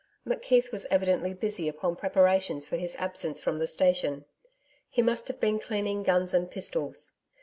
McKeith was evidently busy upon preparations for his absence from the station. He must have been cleaning guns and pistols.